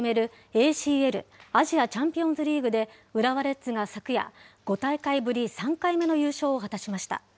ＡＣＬ・アジアチャンピオンズリーグで、浦和レッズが昨夜、５大会ぶり３回目の優勝を果たしました。